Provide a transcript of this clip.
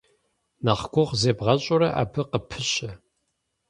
Нэхъ гугъу зебгъэщӀурэ, абы къыпыщэ.